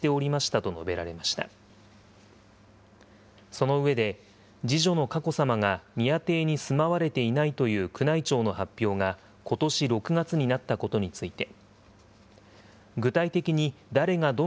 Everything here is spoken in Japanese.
その上で、次女の佳子さまが、宮邸に住まわれていないという宮内庁の発表が、ことし６月になったことについて。